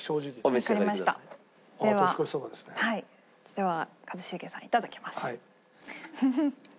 では一茂さんいただきます。